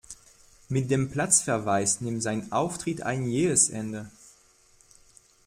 Mit dem Platzverweis nimmt sein Auftritt ein jähes Ende.